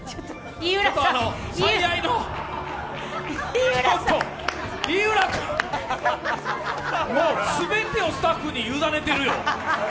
井浦君もう全てをスタッフに委ねてるよ。